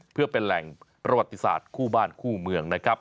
เพื่อเป็นแหล่งประวัติศาสตร์คู่บ้านคู่เมืองนะครับ